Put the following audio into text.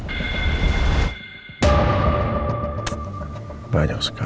berarti beda lagi sama jessica dong